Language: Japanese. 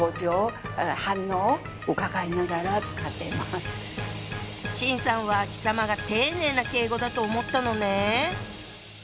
はぁ⁉秦さんは「貴様」が丁寧な敬語だと思ったのね。